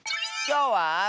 きょうは。